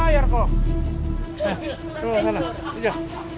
dia ambil barangnya